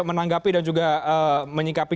menanggapi dan juga menyingkapi